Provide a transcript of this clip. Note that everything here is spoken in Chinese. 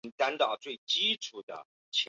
动圈是在旋转黑洞外面的区域。